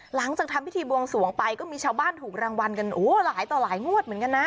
หลังจากทำพิธีบวงสวงไปก็มีชาวบ้านถูกรางวัลกันโอ้หลายต่อหลายงวดเหมือนกันนะ